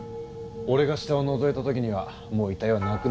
俺が下をのぞいた時にはもう遺体はなくなってた。